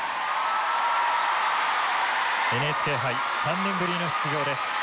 ＮＨＫ杯３年ぶりの出場です。